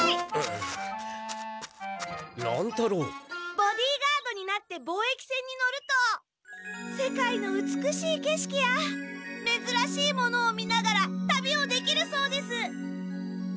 ボディーガードになってぼうえき船に乗ると世界の美しいけしきやめずらしいものを見ながら旅をできるそうです。